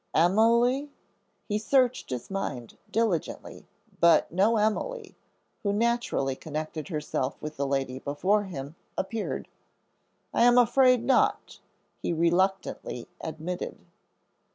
"Emily?" He searched his mind diligently, but no Emily, who naturally connected herself with the lady before him, appeared. "I am afraid not," he reluctantly admitted.